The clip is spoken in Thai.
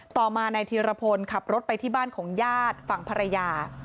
ต่อมานายธีรพลขับรถไปที่บ้านของญาติฝั่งภรรยา